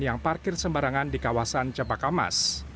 yang parkir sembarangan di kawasan cepakamas